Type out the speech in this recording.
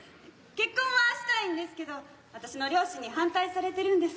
結婚はしたいんですけど私の両親に反対されてるんです。